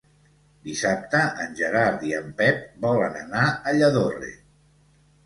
Dissabte en Gerard i en Pep volen anar a Lladorre.